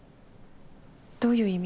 どういう意味？